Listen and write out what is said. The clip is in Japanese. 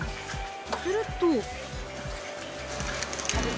すると。